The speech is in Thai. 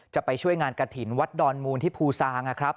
จะไปช่วยงานกฐินวัดดอนมูลที่ภูซ้าง